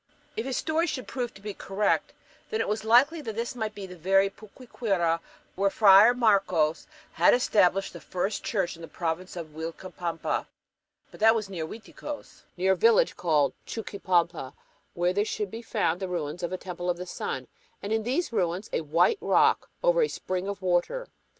If his story should prove to be correct, then it was likely that this might be the very Puquiura where Friar Marcos had established the first church in the "province of Uilcapampa." But that was "near" Uiticos and near a village called Chuquipalpa, where should be found the ruins of a Temple of the Sun, and in these ruins a "white rock over a spring of water."